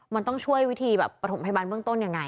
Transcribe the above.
มันต้องช่วยวิธีแบบประถมพยาบาลเบื้องต้นยังไง